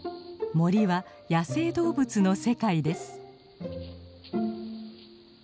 森は野生動物の世界です。